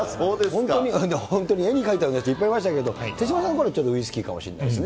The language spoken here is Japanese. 本当に、絵に描いたような人、いっぱいいましたけど、手嶋さんはちょうどウイスキーかもしれないですね。